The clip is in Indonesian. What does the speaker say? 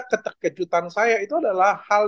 keterkejutan saya itu adalah hal